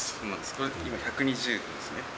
これ今、１２０度ですね。